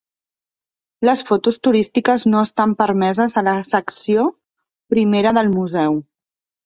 Les fotos turístiques no estan permeses a la secció I del museu.